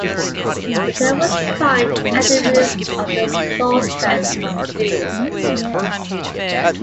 The term was coined after the release of the source code to Doom.